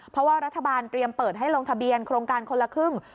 เพราะว่ารัฐบาลเตรียมเปิดให้ลงทะเบียนโครงการคนละครึ่ง